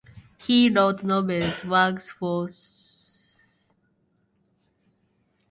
He wrote novels, works for theatre and literary criticism.